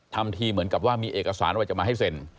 ทำทีเหมือนกับว่ามีเอกสารว่าจะมาให้เซ็น